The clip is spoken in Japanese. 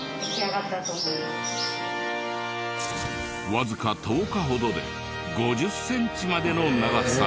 わずか１０日ほどで５０センチまでの長さに。